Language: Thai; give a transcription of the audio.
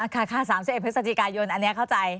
ค่ะ๓๑พฤศจิกายนอันนี้เข้าใจ